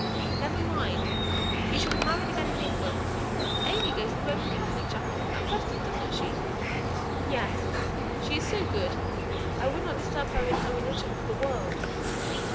"Never mind! you shall be married again in England. AimÄe goes to the Roman Catholic chapel at Prestham, doesn't she?" "Yes. She is so good I wouldn't disturb her in her religion for the world."